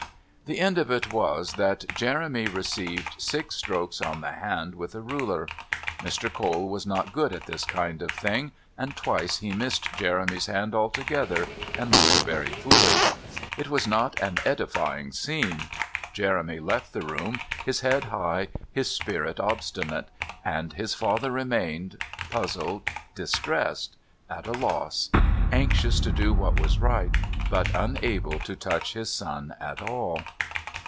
The end of it was that Jeremy received six strokes on the hand with a ruler. Mr. Cole was not good at this kind of thing, and twice he missed Jeremy's hand altogether, and looked very foolish. It was not an edifying scene. Jeremy left the room, his head high, his spirit obstinate; and his father remained, puzzled, distressed, at a loss, anxious to do what was right, but unable to touch his son at all.